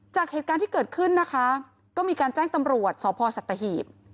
จากเหตุการณ์ที่เกิดขึ้นนะคะก็มีการแจ้งตำรวจสพสัตหีบ